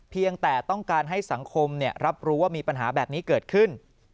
เพียงแต่ต้องการให้สังคมรับรู้ว่ามีปัญหาแบบนี้เกิดขึ้น